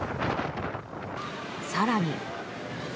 更に。